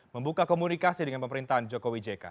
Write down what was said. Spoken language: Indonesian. membuka komunikasi dengan pemerintahan jokowi jk